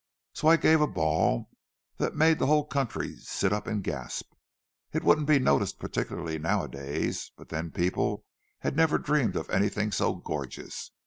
So I gave a ball that made the whole country sit up and gasp—it wouldn't be noticed particularly nowadays, but then people had never dreamed of anything so gorgeous.